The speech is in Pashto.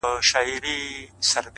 دا مه وايه چي ژوند تر مرگ ښه دی ـ